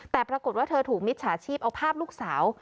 แต่ปรากฏว่าเธอถูกมิจฉาชีพเอาภาพลูกสาว